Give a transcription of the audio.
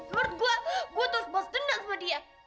menurut gua gua terus bos dendam sama dia